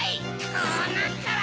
こうなったら！